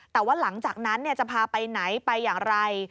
แต่ว่าหลังจากนั้นจะพาไปไหนไปอย่างไร